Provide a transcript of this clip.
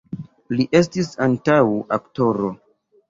Li estis ankaŭ aktoro.